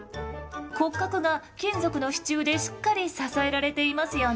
骨格が金属の支柱でしっかり支えられていますよね。